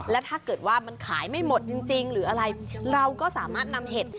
และถ้าเกิดว่ามันขายไม่หมดจริงหรืออะไรเราก็สามารถนำเห็ด